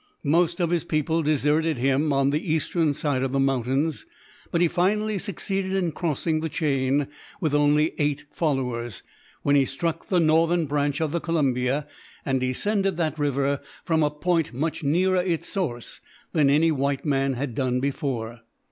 Most of his people deserted him on the eastern side of the mountains; but he finally succeeded in crossing the chain, with only eight followers, when he struck the northern branch of the Columbia, and descended that river from a point much nearer its source than any white man had done before.